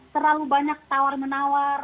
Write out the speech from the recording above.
terlalu banyak tawar menawar